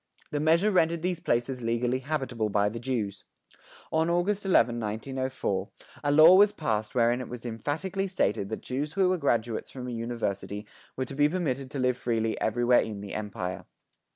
The measure rendered these places legally habitable by the Jews. On August 11, 1904, a law was passed wherein it was emphatically stated that Jews who were graduates from a university were to be permitted to live freely everywhere in the Empire.